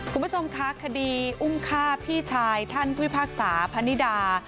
คุณผู้ชมคะคดีอุ้มฆ่าพี่ชายท่านผู้พิพากษาพนิดา